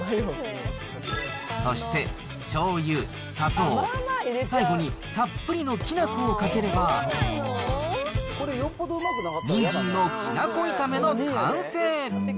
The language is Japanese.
そしてしょうゆ、砂糖、最後にたっぷりのきな粉をかければ、にんじんのきな粉炒めの完成。